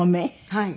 はい。